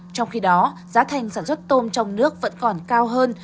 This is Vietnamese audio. trong khi đó giá thành sản xuất tôm trong nước vẫn còn cao hơn